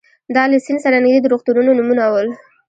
دا له سیند سره نږدې د روغتونونو نومونه ول.